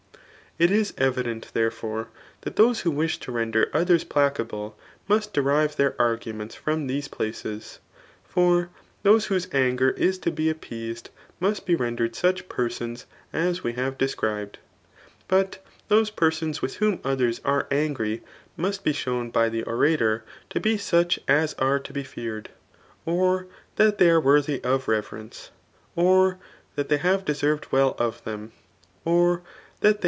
It IS evident, therefbre, that those who wish to render others placable must derive their arguments fromfhese places. For tholse whose anger is to be appeased, must be rendered such persons as we have described; '6trt diose persons with' whom others are angry must be shown [by the orator] to be such as are to be feared, pr that they are worthy of reverence, or that they have deserved wdl of them, or that they.